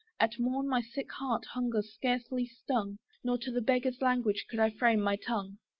At morn my sick heart hunger scarcely stung, Nor to the beggar's language could I frame my tongue.